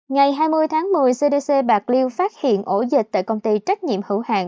ngày hai mươi tháng một mươi cdc bạc liêu phát hiện ổ dịch tại công ty trách nhiệm hữu hàng